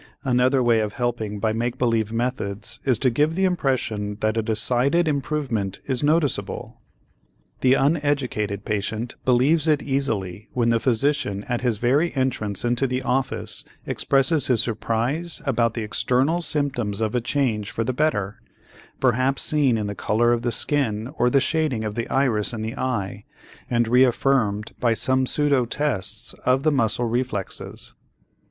Another way of helping by make believe methods is to give the impression that a decided improvement is noticeable. The uneducated patient believes it easily when the physician at his very entrance into the office expresses his surprise about the external symptoms of a change for the better, perhaps seen in the color of the skin or the shading of the iris in the eye and reaffirmed by some pseudotests of the muscle reflexes.